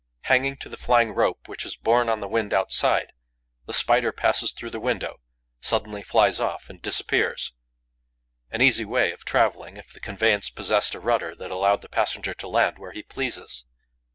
Hanging to the flying rope, which is borne on the wind outside, the Spider passes through the window, suddenly flies off and disappears. An easy way of travelling, if the conveyance possessed a rudder that allowed the passenger to land where he pleases!